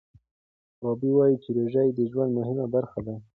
غابي وايي چې روژه یې د ژوند مهمه برخه ده.